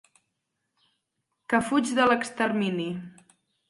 Que fuig de l'extermini...